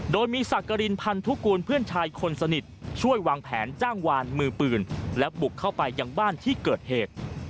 โดยมีสักกรินพันธุกูลเพื่อนชายคนสนิทช่วยวางแผนจ้างวานมือปืนและบุกเข้าไปยังบ้านที่เกิดเหตุ